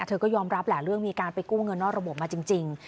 เธอก็ยอมรับแหละเรื่องมีการไปกู้เงินนอกระบบมาจริง